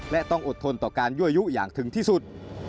และต้องอดทนต่อการยั่วยุอย่างถึงที่สุด